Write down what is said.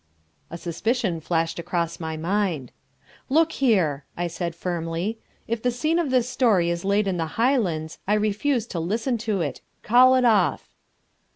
A suspicion flashed across my mind. "Look here," I said firmly, "if the scene of this story is laid in the Highlands, I refuse to listen to it. Call it off."